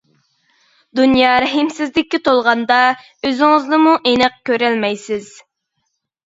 دۇنيا رەھىمسىزلىككە تولغاندا، ئۆزىڭىزنىمۇ ئېنىق كۆرەلمەيسىز.